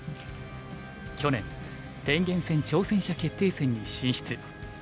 去年天元戦挑戦者決定戦に進出。